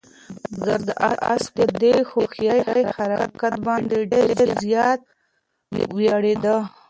بزګر د آس په دې هوښیار حرکت باندې ډېر زیات وویاړېده.